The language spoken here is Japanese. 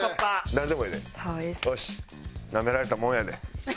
なめられたもんやで。